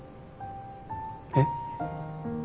えっ？